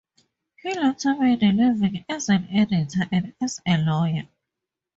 He later made a living as an editor and as a lawyer.